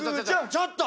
ちょっと！